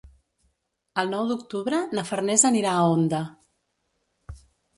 El nou d'octubre na Farners anirà a Onda.